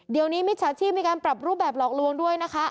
เดี๋ยวนี้มิจฉาชีพมีการปรับรูปแบบหลอกลวงด้วยนะคะ